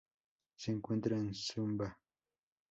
Se encuentra en Sumba.